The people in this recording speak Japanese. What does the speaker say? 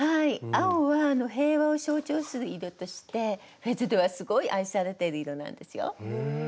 青は平和を象徴する色としてフェズではすごい愛されてる色なんですよ。へえ。